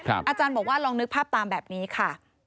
อาจารย์บอกว่าลองนึกภาพตามแบบนี้ค่ะ